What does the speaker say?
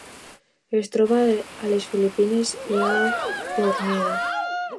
Es troba a les Filipines i a Borneo.